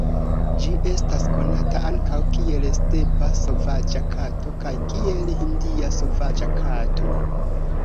Ĝi estas konata ankaŭ kiel "stepa sovaĝa kato" kaj kiel "hindia sovaĝa kato".